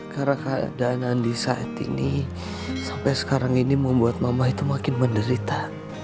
karena keadaan andi saat ini sampai sekarang ini membuat mama itu makin menderita